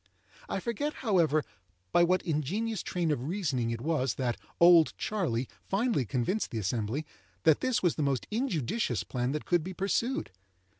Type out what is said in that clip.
I forget, however, by what ingenious train of reasoning it was that "Old Charley" finally convinced the assembly that this was the most injudicious plan that could be pursued.